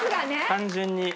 単純に。